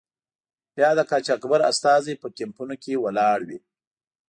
بیا د قاچاقبر استازی په کمپونو کې ولاړ وي.